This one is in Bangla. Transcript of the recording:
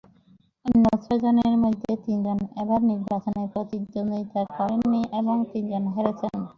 অন্য ছয়জনের মধ্যে তিনজন এবার নির্বাচনে প্রতিদ্বন্দ্বিতা করেননি এবং তিনজন হেরেছেন।